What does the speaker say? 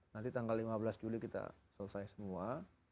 nanti tanggal lima belas juli kita selesai semua